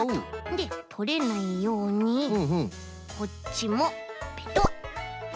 でとれないようにこっちもペトッ。